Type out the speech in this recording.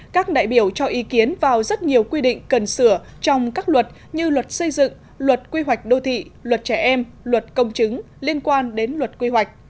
các đại biểu cho ý kiến vào rất nhiều quy định cần sửa trong các luật như luật xây dựng luật quy hoạch đô thị luật trẻ em luật công chứng liên quan đến luật quy hoạch